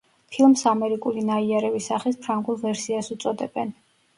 ფილმს ამერიკული „ნაიარევი სახის“ ფრანგულ ვერსიას უწოდებენ.